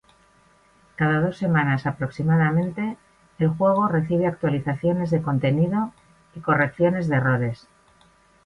Cada dos semanas, aproximadamente, el juego recibe actualizaciones de contenido y correcciones de errores.